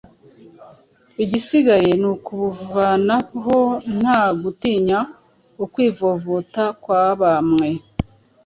igisigaye ni ukubuvanaho nta gutinya ukwivovota kwa bamwe